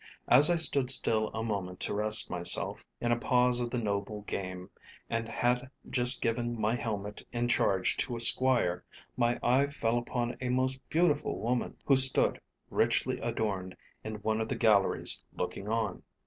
As I stood still a moment to rest myself, in a pause of the noble game, and had just given my helmet in charge to a squire, my eye fell upon a most beautiful woman, who stood, richly adorned, in one of the galleries, looking on.